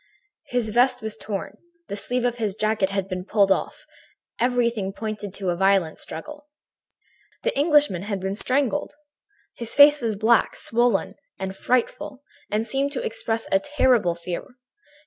"His vest was torn, the sleeve of his jacket had been pulled off, everything pointed to, a violent struggle. "The Englishman had been strangled! His face was black, swollen and frightful, and seemed to express a terrible fear.